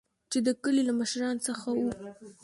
چې د کلي له مشران څخه وو.